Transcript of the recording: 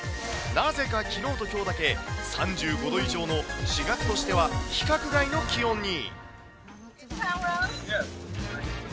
なぜかきのうときょうだけ、３５度以上の、４月としては規格外の気温に。